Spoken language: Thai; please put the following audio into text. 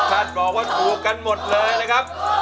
ท่านบอกว่าถูกกันหมดเลยนะครับ